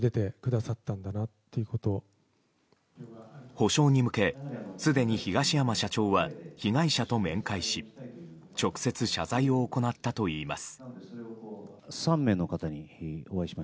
補償に向けすでに東山社長は被害者と面会し直接、謝罪を行ったといいます。